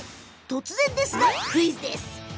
突然ですが、クイズです。